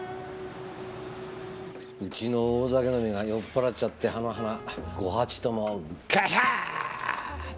うちの大酒飲みが酔っ払っちゃってあの花５鉢ともガシャーン！と。